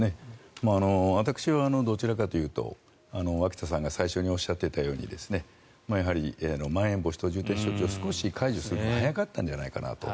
私はどちらかというと脇田さんが最初におっしゃっていたようにやはりまん延防止等重点措置を少し解除するのが早かったんじゃないかなと。